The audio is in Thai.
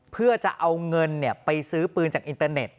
เพื่อจะเอาเงินไปซื้อปืนจากอินเตอร์เน็ต